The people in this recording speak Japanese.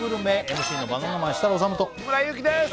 ＭＣのバナナマン設楽統と日村勇紀です